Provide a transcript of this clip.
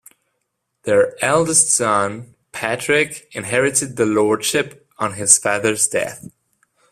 Their eldest son, Patrick, inherited the Lordship on his father's death.